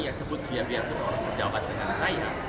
yang disebut biar biar orang sejawat dengan saya